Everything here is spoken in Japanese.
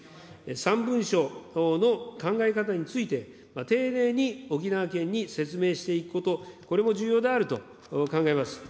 ３文書の考え方について、丁寧に、沖縄県に説明していくこと、これも重要であると考えます。